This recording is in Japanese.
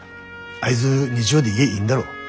あいづ日曜で家いんだろ？